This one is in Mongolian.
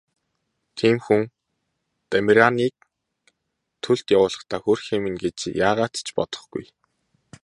Тийм хүн Дамираныг төлд явуулахдаа хөөрхий минь гэж яагаад ч бодохгүй.